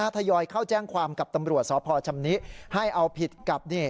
ทยอยเข้าแจ้งความกับตำรวจสพชำนิให้เอาผิดกับ